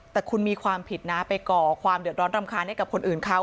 แต่คุณมีความผิดนะไปก่อความเดือดร้อนรำคาญให้กับคนอื่นเขา